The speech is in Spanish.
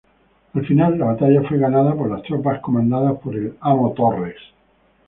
Al final la batalla fue ganada por las tropas comandadas por el "amo Torres".